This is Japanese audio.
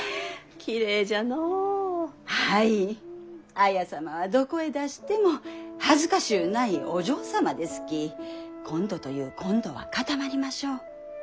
綾様はどこへ出しても恥ずかしゅうないお嬢様ですき今度という今度は固まりましょう。